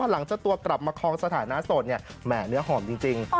หลังจากตัวกลับมาคลองสถานะโสดเนี่ยแหม่เนื้อหอมจริง